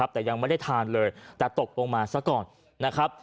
แต่ยังไม่ได้ทานเลยแต่ตกลงมาซะก่อนนะครับ